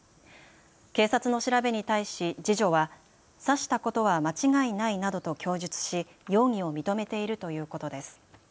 警察の調べに対し次女は刺したことは間違いないなどと供述し容疑を認めているということです。